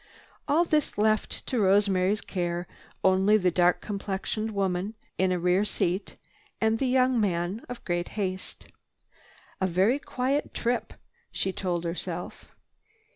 All this left to Rosemary's care only the dark complexioned woman in a rear seat and the young man of great haste. "A very quiet trip," she told herself.